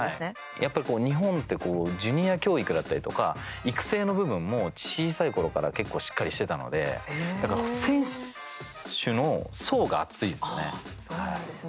やっぱり日本ってジュニア教育だったりとか育成の部分も小さいころから結構しっかりしてたので選手の層が厚いですね。